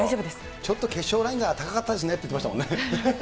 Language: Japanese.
ちょっと決勝ラインが高かったですねって言ってましたもんね。